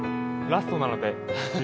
ラストなので。